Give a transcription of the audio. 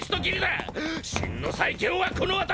真の最強はこの私！